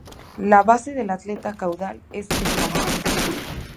La base de la aleta caudal es escamosa.